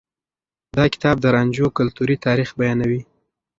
دا کتاب د رانجو کلتوري تاريخ بيانوي.